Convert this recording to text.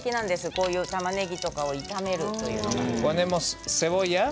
こういう、たまねぎなんかを炒めるというのは。